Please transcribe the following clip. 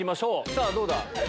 さぁどうだ？